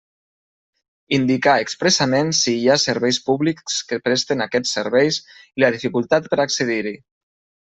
Indicar expressament si hi ha serveis públics que presten aquests serveis i la dificultat per a accedir-hi.